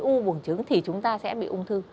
u bùng trứng thì chúng ta sẽ bị ung thư